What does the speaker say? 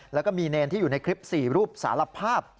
แล้วก็มีเนรที่อยู่ในคลิป๔รูปสารภาพ